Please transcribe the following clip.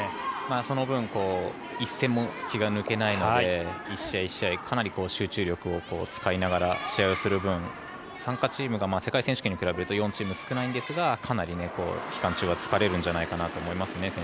その分、１戦も気が抜けないので１試合１試合かなり集中力を使いながら試合をする分、参加チームが世界選手権に比べると４チーム少ないんですがかなり、期間中は疲れるんじゃないかと思いますね